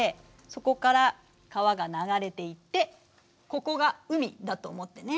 そこから川が流れていってここが海だと思ってね。